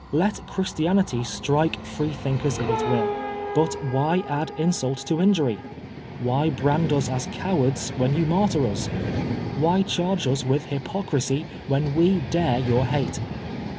Let Christianity strike Free thinkers if it will, but why add insult to injury ? Why brand us as cowards when you martyr us? Why charge us with hypocrisy when we dare your hate?